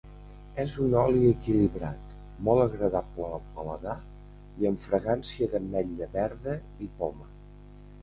És un oli equilibrat, molt agradable al paladar i amb fragància d'ametlla verda i poma.